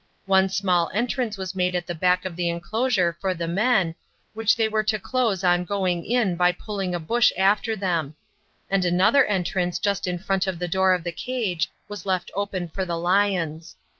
One small entrance was made at the back of the enclosure for the men, which they were to close on going in by pulling a bush after them; and another entrance just in front of the door of the cage was left open for the lions.